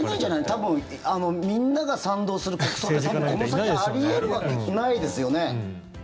多分、みんなが賛同する国葬って多分この先あり得るわけないですよね。